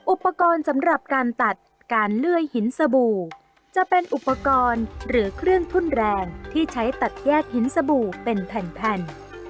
อุปกรณ์สำหรับการตัดการเลื่อยหินสบู่จะเป็นอุปกรณ์หรือเครื่องทุ่นแรงที่ใช้ตัดแยกหินสบู่เป็นแผ่น